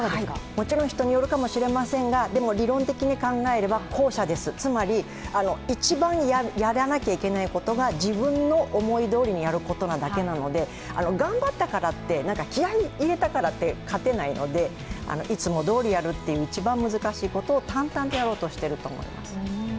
もちろん人によるかもしれませんが理論的に考えれば後者です、つまり一番やらなきゃいけないことは自分の思いどおりにやることだけなので頑張ったからって気合い入れたからって勝てないので、いつもどおりやるっていう一番難しいことを淡々とやろうとしていると思います。